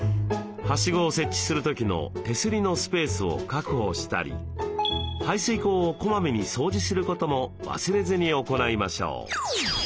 はしごを設置する時の手すりのスペースを確保したり排水溝をこまめに掃除することも忘れずに行いましょう。